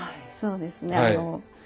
そうですね。